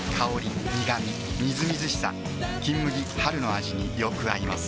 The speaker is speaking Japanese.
みずみずしさ「金麦」春の味によく合います